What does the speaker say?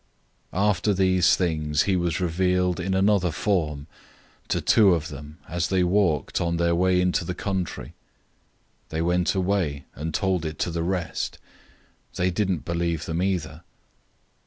016:012 After these things he was revealed in another form to two of them, as they walked, on their way into the country. 016:013 They went away and told it to the rest. They didn't believe them, either.